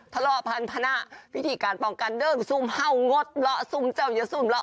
ทะเลาะพันธ์พันธ์พิธีการปล่องกันเดินซุมเห่างดละซุมเจ้ายาซุมละ